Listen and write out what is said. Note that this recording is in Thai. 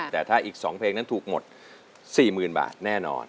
แต่ถ้าอีก๒เพลงถูกหมด๔หมื่นบาทแน่นอน